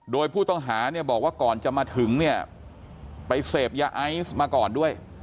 โดยผู้ต้องหาเนี่ยบอกว่าก่อนจะมาถึงเนี่ยไปเสพยาไอซ์มาก่อนด้วย